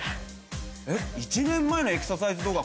えっ１年前のエクササイズ動画